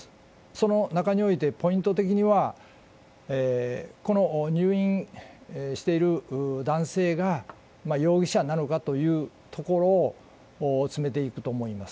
その中において、ポイント的には、この入院している男性が容疑者なのかというところを詰めていくと思います。